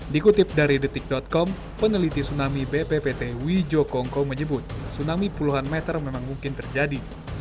dikutip dari detik com peneliti tsunami bppt wijokongko menyebut tsunami puluhan meter memang mungkin terjadi